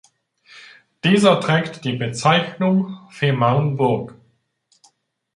Dieser trägt die Bezeichnung Fehmarn-Burg.